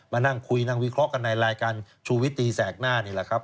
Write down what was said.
มานั่งคุยนั่งวิเคราะห์กันในรายการชูวิตตีแสกหน้านี่แหละครับ